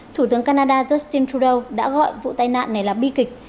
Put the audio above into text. thủ tướng canada justin trudeau đã gọi vụ tai nạn này là bi kịch